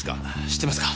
知ってますか？